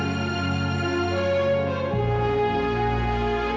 karirnya sudah lama